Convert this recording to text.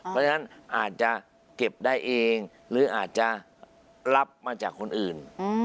เพราะฉะนั้นอาจจะเก็บได้เองหรืออาจจะรับมาจากคนอื่น